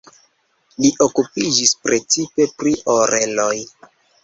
Li okupiĝis precipe pri oreloj.